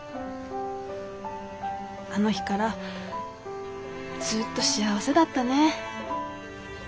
あの日からずっと幸せだったねぇ。